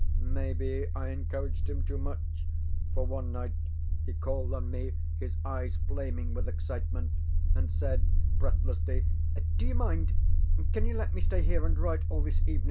ŌĆØ Maybe I encouraged him too much, for, one night, he called on me, his eyes flaming with excitement, and said breathlessly: ŌĆ£Do you mind can you let me stay here and write all this evening?